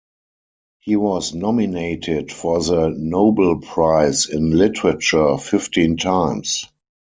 He was nominated for the Nobel prize in literature fifteen times.